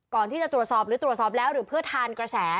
ก่อนที่จะตรวจสอบหรือตรวจสอบแล้วหรือเพื่อทานกระแส